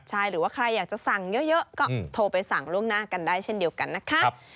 ใช่หรือว่าใครอยากจะสั่งเยอะก็โทรไปสั่งล่วงหน้ากันได้เช่นเดียวกันนะคะ